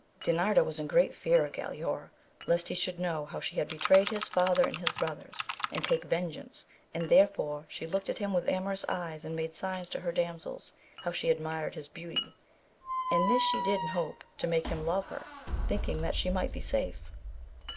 Dinarda was in great fear of Galaor, lest he should know how she had betrayed his father and his brothers, and take vengeance, and therefore she looked at him with amorous eyes, and made signs to her damsel how she admired his beauty, and this she did in hope to make him love her, thinking that she might be safe.